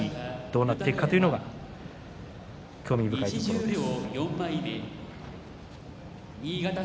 この辺りの成績がどうなっていくかというのが興味深いところです。